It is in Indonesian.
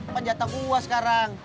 panjatan gue sekarang